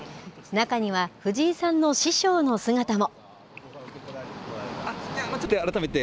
中には藤井さんの師匠の姿も。